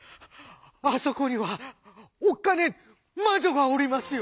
「あそこにはおっかねえ魔女がおりますよ。